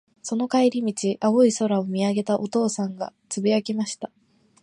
その帰り道、青い空を見上げたお父さんが、つぶやきました。